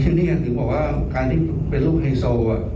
ทีนี้ถึงบอกว่าการที่เป็นลูกไฮโซ